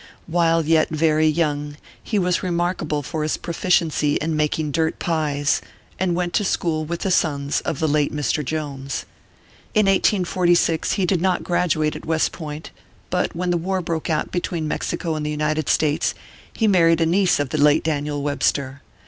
W hile yet very young, he was remarkable for his pro ficiency in making dirt pies, and went to school with the sons of the late Mr. Jones. In 1846, he did not graduate at West Point ; but when the war broke ORPHEUS C. KERR PAPERS. 93 out between Mexico and the United States, he mar ried a niece of the late Daniel Webster.